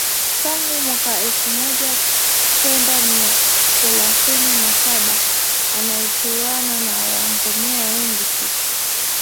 tangu mwaka elfu moja kenda mia themanini na saba anachuana na wagombea wengine sita